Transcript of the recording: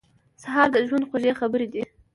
سهار د ژوند خوږې خبرې دي.